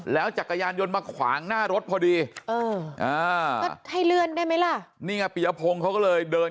แล้วจักรยานยนต์มาขวางหน้ารถพอดี